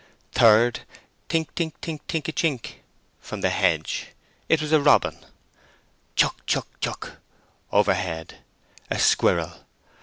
Third: "Tink tink tink tink a chink!" from the hedge. It was a robin. "Chuck chuck chuck!" overhead. A squirrel.